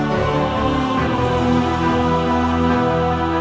kami bear di kudama